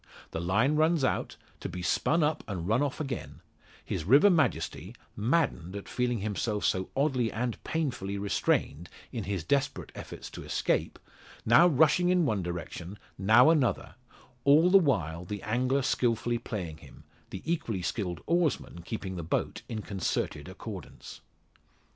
The line runs out, to be spun up and run off again; his river majesty, maddened at feeling himself so oddly and painfully restrained in his desperate efforts to escape, now rushing in one direction, now another, all the while the angler skilfully playing him, the equally skilled oarsman keeping the boat in concerted accordance.